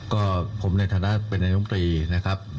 ก็ผมในฐานะเป็นนักงรมปลีนะครับ